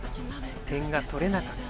点が取れなかった。